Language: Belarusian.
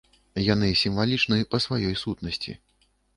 Яны сімвалічны па сваёй сутнасці.